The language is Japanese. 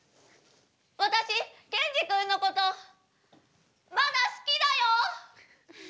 私ケンジ君のことまだ好きだよ。